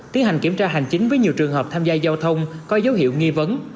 tiến hành kiểm tra hành chính với nhiều trường hợp tham gia giao thông có dấu hiệu nghi vấn